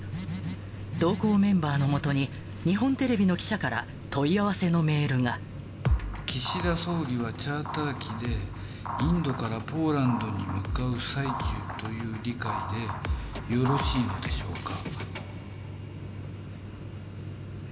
同行メンバーのもとに、日本テレビの記者から問い合わせのメール岸田総理はチャーター機で、インドからポーランドに向かう最中という理解でよろしいのでしょうか。